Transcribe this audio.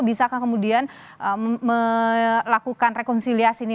bisakah kemudian melakukan rekonsiliasi ini